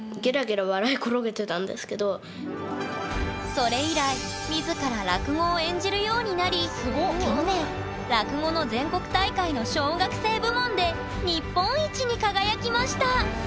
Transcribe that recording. それ以来自ら落語を演じるようになり去年落語の全国大会の小学生部門で日本一に輝きましたすげえ。